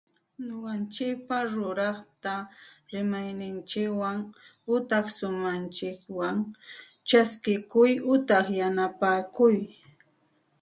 Ñuqanchikpaq ruraqta rimayninchikwan utaq sunqunchikwan chaskikuy utaq yanapakuy